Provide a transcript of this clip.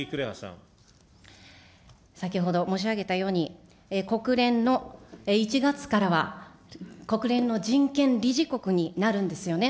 先ほど申し上げたように、国連の１月からは、国連の人権理事国になるんですよね。